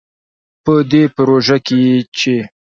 په دې پروژه کې چې